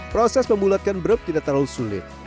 proses membulatkan brep tidak terlalu sulit